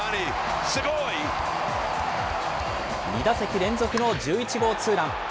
２打席連続の１１号ツーラン。